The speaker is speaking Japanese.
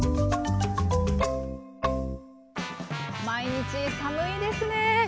毎日寒いですね。